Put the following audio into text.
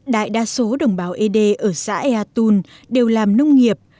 đại đa số đồng bào ấy đê ở xã ea tùn đều làm nông nghiệp